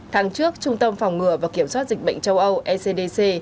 tháng trước trung tâm phòng ngừa và kiểm soát dịch bệnh châu âu ecdc